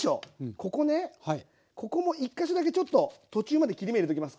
ここねここも１か所だけちょっと途中まで切り目入れときます